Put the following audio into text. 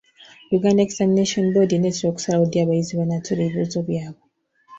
Uganda Examination Board enaatera okusalawo ddi abayizi lwe banaatuula ebibuuzo byabwe.